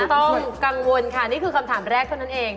ต้องกังวลค่ะนี่คือคำถามแรกเท่านั้นเอง